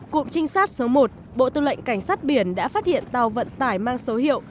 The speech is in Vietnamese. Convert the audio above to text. cụm trinh sát số một bộ tư lệnh cảnh sát biển đã phát hiện tàu vận tải mang số hiệu